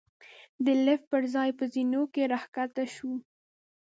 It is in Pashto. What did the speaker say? د لېفټ پر ځای په زېنو کې را کښته شوو.